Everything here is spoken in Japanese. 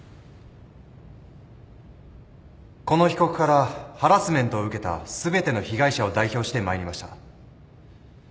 この被告からハラスメントを受けた全ての被害者を代表して参りました。